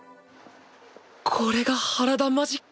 これが原田マジック？